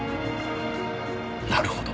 なるほど。